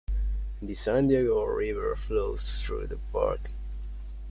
The San Diego River flows through the park.